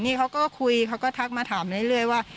นี่เขาก็คุยเขาก็ทักมาถามเรื่อยว่า